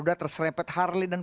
harus ditahan dulu